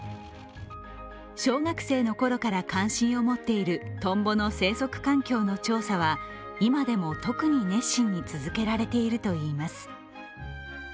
小学生のころから関心を持っているとんぼの生息環境の調査は、今でも特に熱心に続けられているといいます。